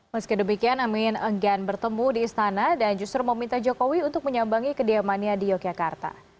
meski demikian amin enggan bertemu di istana dan justru meminta jokowi untuk menyambangi kediamannya di yogyakarta